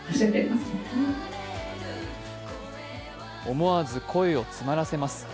思わず声を詰まらせます。